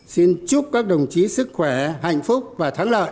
xin chúc các đồng chí sức khỏe hạnh phúc và thắng lợi